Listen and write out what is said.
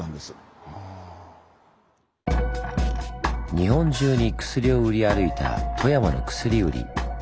日本中に薬を売り歩いた富山の薬売り。